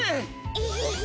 エヘヘ！